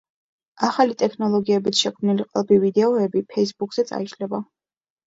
ახალი ტექნოლოგიებით შექმნილი ყალბი ვიდეოები „ფეისბუქზე“ წაიშლება.